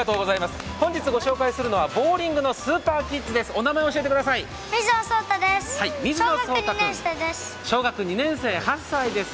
本日ご紹介するのはボウリングのスーパーキッズです。